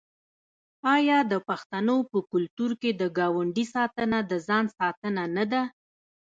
آیا د پښتنو په کلتور کې د ګاونډي ساتنه د ځان ساتنه نه ده؟